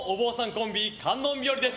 コンビ観音日和です。